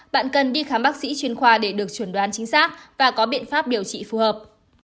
bạn cần đi khám bác sĩ chuyên khoa để được chuẩn đoán chính xác và có biện pháp điều trị phù hợp